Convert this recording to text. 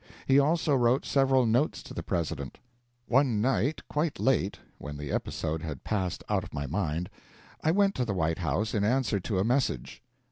He also wrote several notes to the President. One night, quite late, when the episode had passed out of my mind, I went to the White House in answer to a message.